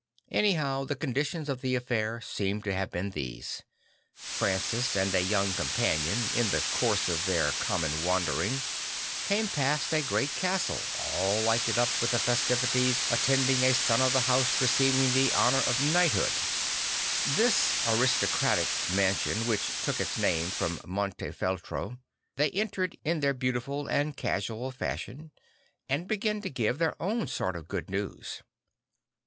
Anyhow the con di tions of the affair seem to ha ve been these. Francis and a young companion, in the course of their common wandering, came past a great castle all lighted up with the festivities attending a son of the house receiving the honour of knight 15 0 St. Francis of Assisi hood. This aristocratic mansion, which took its name from Monte FeItro, they entered in their beautiful and casual fashion and began to give their own sort of good news.